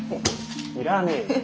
要らねえよ。